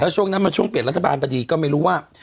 ช่วงนั้นมันช่วงเปลี่ยนรัฐบาลพอดีก็ไม่รู้ว่า